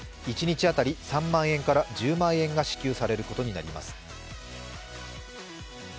一日当たり３万円から１０万円が支給されることになります。